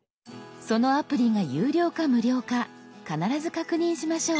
そのアプリが有料か無料か必ず確認しましょう。